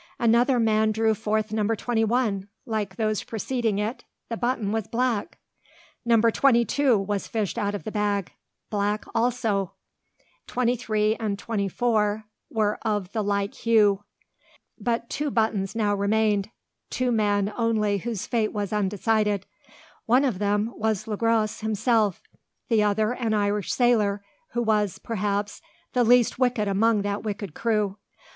Another man drew forth Number 21. Like those preceding it, the button, was black! Number 22 was fished out of the bag, black also! 23 and 24 were of the like hue! But two buttons now remained, two men only whose fate was undecided. One of them was Le Gros himself, the other, an Irish sailor, who was, perhaps, the least wicked among that wicked crew.